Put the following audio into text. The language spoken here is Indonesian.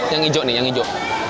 yang hijau nih yang hijau